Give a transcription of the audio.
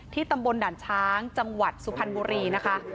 ตำบลด่านช้างจังหวัดสุพรรณบุรีนะคะ